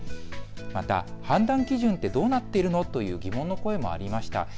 また、判断基準ってどうなっているの？という疑問の声もありました。